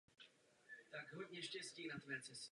Ten by se měl k čínskému celku připojit začátkem ledna.